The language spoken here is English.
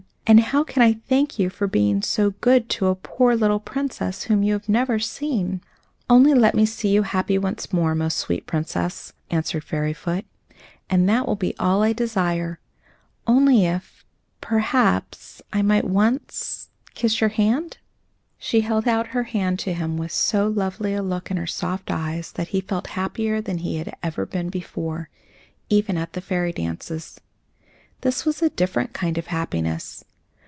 And how can I thank you for being so good to a poor little princess whom you had never seen?" "Only let me see you happy once more, most sweet Princess," answered Fairyfoot, "and that will be all I desire only if, perhaps, I might once kiss your hand." She held out her hand to him with so lovely a look in her soft eyes that he felt happier than he had ever been before, even at the fairy dances. This was a different kind of happiness.